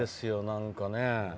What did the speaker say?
なんかね。